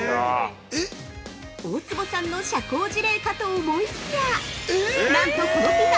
◆大坪さんの社交辞令かと思いきやなんとこのピザ